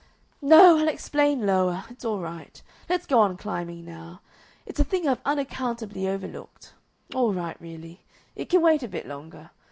"No! I'll explain lower. It's all right. Let's go on climbing now. It's a thing I've unaccountably overlooked. All right really. It can wait a bit longer.